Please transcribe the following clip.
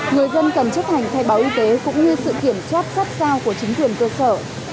người dân cần chấp hành khai báo y tế cũng như sự kiểm soát sát sao của chính quyền cơ sở